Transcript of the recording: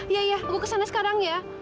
iya ya aku kesana sekarang ya